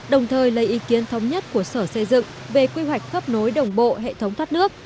đồng thời lấy ý kiến thống nhất của sở xây dựng về quy hoạch khắp nối đồng bộ hệ thống thoát nước